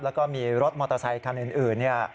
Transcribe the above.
แล้วก็มีรถมอเตอร์ไซค์คันอื่นเนี่ย